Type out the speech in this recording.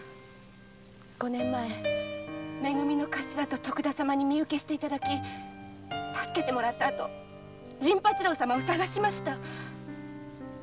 五年前「め組」の頭と徳田様に身うけして頂き助けてもらった後陣八郎様を捜しました。